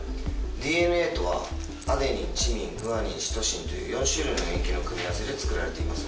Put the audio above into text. ＤＮＡとはアデニンチミングアニンシトシンという４種類の塩基の組み合わせで作られています。